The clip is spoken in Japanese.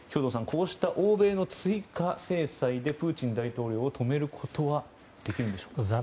こうした欧米の追加制裁でプーチン大統領を止めることはできるのでしょうか。